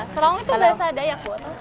serau itu bahasa dayak bu